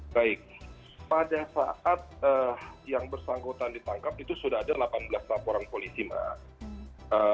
baik pada saat yang bersangkutan ditangkap itu sudah ada delapan belas laporan polisi mbak